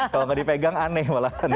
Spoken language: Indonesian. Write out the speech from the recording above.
kalau nggak dipegang aneh malahan ya